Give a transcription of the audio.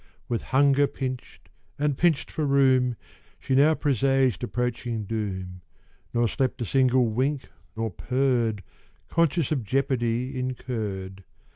With hunger pinch'd, and pinch'd for room, She now presaged approaching doom, Nor slept a single wink, or purr'd, Conscious of jeopardy incurr'd.